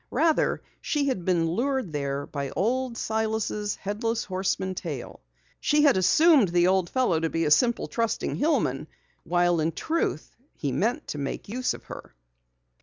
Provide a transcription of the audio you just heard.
Rather she had been lured there by Old Silas' Headless Horseman tale. She had assumed the old fellow to be a simple, trusting hillman, while in truth he meant to make use of her.